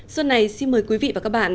xuân này xin mời quý vị và các bạn